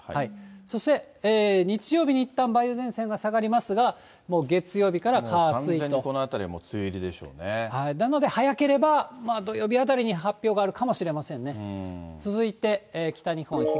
そして、日曜日にいったん梅雨前線が下がりますが、もう月曜日からか、火、完全にこのあたりは梅雨入りなので、早ければ土曜日あたりに発表があるかもしれませんね。